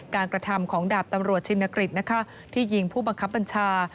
กระทำของดาบตำรวจชินกฤษที่ยิงผู้บังคับบัญชา